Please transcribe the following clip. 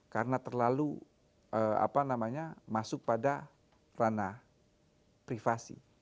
karena terlalu masuk pada ranah privasi